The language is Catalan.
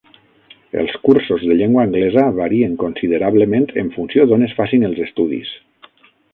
Els cursos de llengua anglesa varien considerablement en funció d'on es facin els estudis.